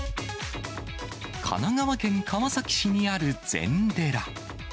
神奈川県川崎市にある禅寺。